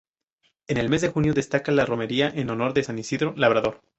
En el mes de junio destaca la romería en honor de San Isidro Labrador.